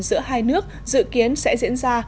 giữa hai nước dự kiến sẽ diễn ra